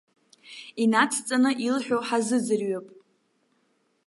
Инацҵаны, илҳәо ҳазыӡырҩып.